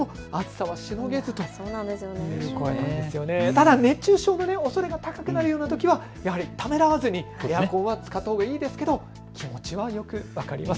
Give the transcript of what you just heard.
ただ熱中症のおそれが高くなるようなときはやはりためらわずにエアコンは使ったほうがいいですけど気持ちはよく分かります。